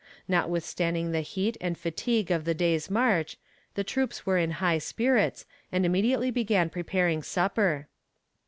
Notwithstanding the heat and fatigue of the day's march, the troops were in high spirits, and immediately began preparing supper.